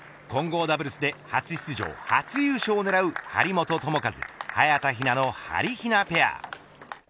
混合ダブルスで初出場初優勝を狙う、張本智和早田ひなの、はりひなペア。